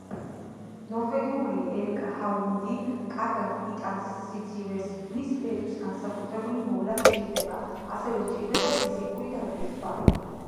ნორვეგიული ელკჰაუნდი კარგად იტანს სიცივეს, მის ბეწვს განსაკუთრებული მოვლა სჭირდება, ასევე სჭირდება ფიზიკური დატვირთვა.